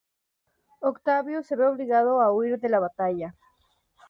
Octavius se ve obligado a huir de la batalla.